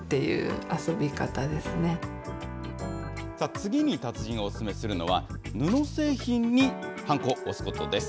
次に達人がお勧めするのは、布製品にはんこを押すことです。